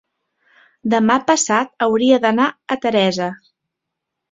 Demà passat hauria d'anar a Teresa.